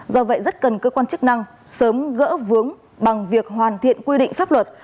do vậy rất cần cơ quan chức năng sớm gỡ vướng bằng việc hoàn thiện quy định pháp luật